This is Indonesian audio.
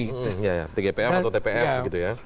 iya tgpf atau tpm gitu ya